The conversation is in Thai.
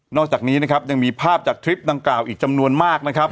อกจากนี้นะครับยังมีภาพจากคลิปดังกล่าวอีกจำนวนมากนะครับ